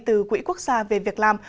từ quỹ quốc gia về việc làm